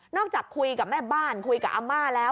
จากคุยกับแม่บ้านคุยกับอาม่าแล้ว